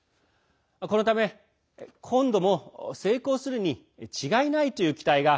このため、今度も成功するに違いないという期待が